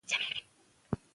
رښتیا بې لارې کېدل کموي.